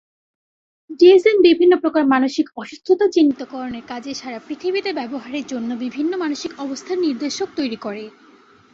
DSM বিভিন্ন প্রকার মানসিক অসুস্থতা চিহ্নিতকরণের কাজে সারা পৃথিবীতে ব্যবহারের জন্য বিভিন্ন মানসিক অবস্থার নির্দেশক তৈরি করে।